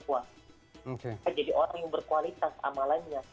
kita jadi orang yang berkualitas amalannya